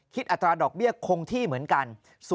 อัตราดอกเบี้ยคงที่เหมือนกัน